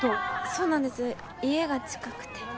そうなんです家が近くて。